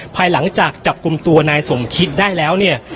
ภายหลังจากจับกลุ่มตัวนายสมคิดได้แล้วเนี่ย